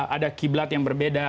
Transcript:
ada kiblat yang berbeda